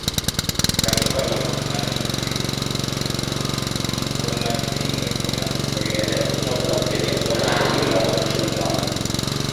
Kanisa la mkunazini lina historia ya kutoka kwenye soko kuu la watumwa